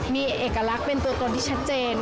มีเอกลักษณ์เป็นตัวตนที่ชัดเจน